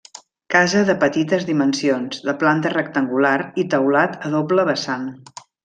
Casa de petites dimensions, de planta rectangular i teulat a doble vessant.